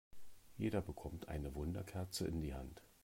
Jeder bekommt eine Wunderkerze in die Hand.